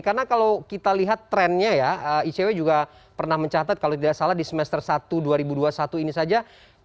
karena kalau kita lihat trennya ya icw juga pernah mencatat kalau tidak salah di semester satu dua ribu dua puluh satu ini saja